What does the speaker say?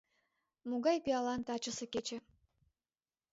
Могай пиалан тачысе кече!